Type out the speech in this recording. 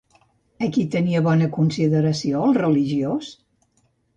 A qui tenia en bona consideració, el religiós?